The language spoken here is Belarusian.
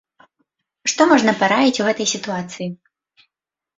Што можна параіць у гэтай сітуацыі?